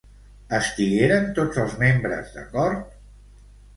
Estigueren tots els membres d'acord?